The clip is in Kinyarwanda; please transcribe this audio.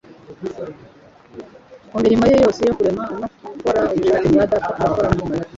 Mu mirimo ye yose yo kurema, no gukora ubushake bwa Data, turakorana.